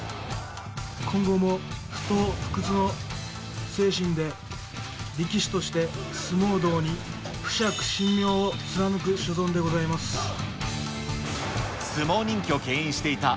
今後も不とう不屈の精神で、力士として相撲道に不惜身命を貫く所存でございます。